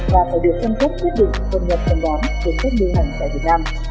và phải được phân cấp quyết định bằng luật phân bón quyền cấp mưu hành tại việt nam